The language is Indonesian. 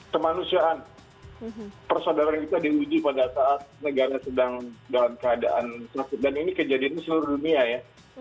kemanusiaan persaudaraan kita diuji pada saat negara sedang dalam keadaan sakit dan ini kejadiannya seluruh dunia ya